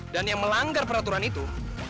yang melanggar peraturan itu